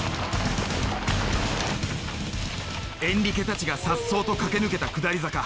エンリケたちがさっそうと駆け抜けた下り坂。